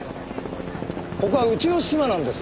ここはうちのシマなんです。